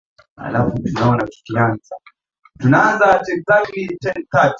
Leo husikii wengi wakikipa heshima yake na pengine kukisahau kabisa katika kumbukumbu